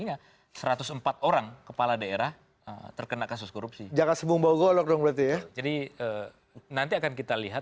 yang tegas juga